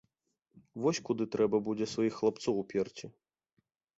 Вось куды трэба будзе сваіх хлапцоў уперці.